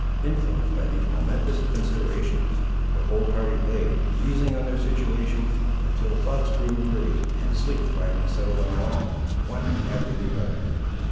Influenced by these momentous considerations the whole party lay, musing on their situation, until thoughts grew weary, and sleep finally settled on them all, one after another.